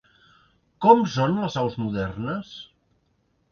Com són les aus modernes?